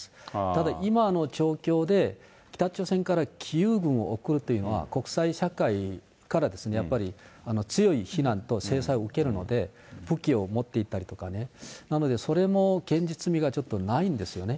ただ今の状況で、北朝鮮から義勇軍を送るというのは、国際社会からやっぱり強い非難と制裁を受けるので、武器を持っていたりとかね、なのでそれも現実味がちょっとないんですよね。